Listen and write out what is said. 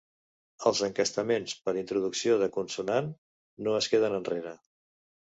Els encastaments per introducció de consonant no es queden enrere.